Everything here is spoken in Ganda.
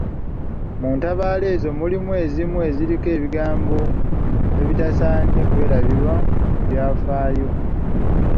Mu ntabaalo ezo, mulimu ezimu eziriko ebigambo ebitasaanye kwerabirwa mu byafaayo.